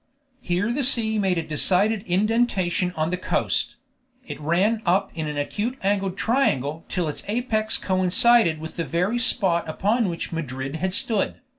Here the sea made a decided indentation on the coast; it ran up in an acute angled triangle till its apex coincided with the very spot upon which Madrid had stood.